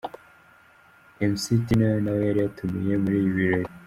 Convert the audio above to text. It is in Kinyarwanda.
Mc Tino nawe yari yatumiwe muri ibi birori .